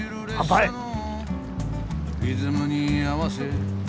「リズムにあわせ」